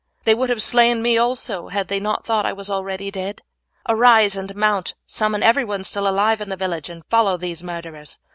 They would have slain me also had they not thought I was already dead. Arise and mount, summon everyone still alive in the village, and follow these murderers.